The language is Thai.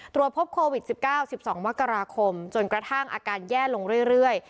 ตรวจพบโควิด๑๙๑๒มกราคมจนกระทั่งอาการแย่ลงเรื่อย